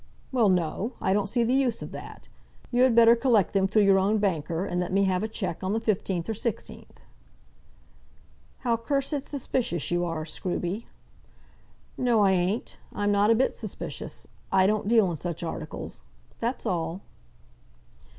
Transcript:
"Well no! I don't see the use of that. You had better collect them through your own banker, and let me have a cheque on the 15th or 16th." "How cursed suspicious you are, Scruby." "No, I ain't. I'm not a bit suspicious. I don't deal in such articles; that's all!"